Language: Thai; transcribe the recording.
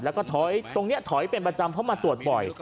แล้วก็ถอยตรงนี้ถอยเป็นประจำเพราะมาตรวจบ่อย